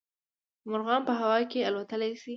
مارغان په هوا کې الوتلی شي